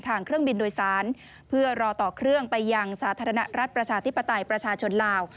เครื่องบินโดยสารเพื่อรอต่อเครื่องไปยังสาธารณรัฐประชาธิปไตยประชาชนลาว